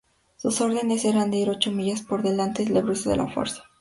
Sus órdenes eran ir ocho millas por delante del grueso de la fuerza.